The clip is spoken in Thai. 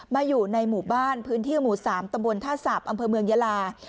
อยู่ในหมู่บ้านพื้นที่หมู่๓ตำบลท่าสาปอำเภอเมืองยาลา